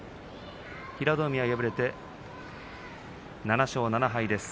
平戸海は敗れて７勝７敗です。